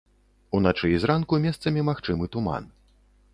Уначы і зранку месцамі магчымы туман.